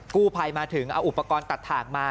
กู้ไพมาถึงเอาอุปกรณ์ตัดหากมา